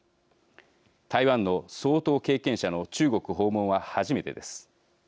台湾の総統経験者の中国訪問は初めてです。